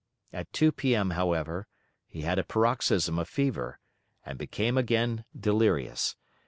At 2 P.M., however, he had a paroxysm of fever, and became again delirious.